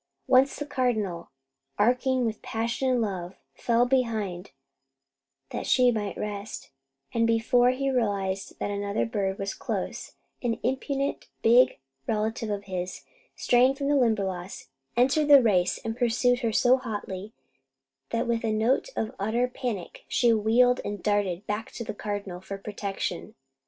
Once the Cardinal, aching with passion and love, fell behind that she might rest, and before he realized that another bird was close, an impudent big relative of his, straying from the Limberlost, entered the race and pursued her so hotly that with a note of utter panic she wheeled and darted back to the Cardinal for protection.